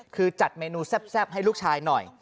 คือจัดเมนูแซ่บให้ลูกชายหน่อย